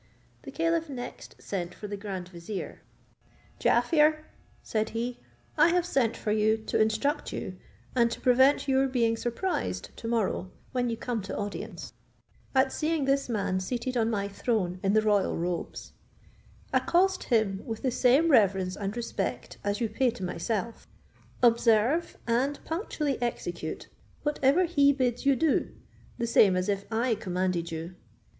The caliph next sent for the grand vizier: "Jaaffier," said he, "I have sent for you to instruct you, and to prevent your being surprised to morrow when you come to audience, at seeing this man seated on my throne in the royal robes: accost him with the same reverence and respect as you pay to myself: observe and punctually execute whatever he bids you do, the same as if I commanded you.